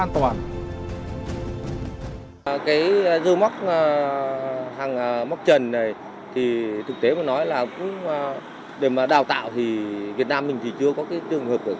trong hình ảnh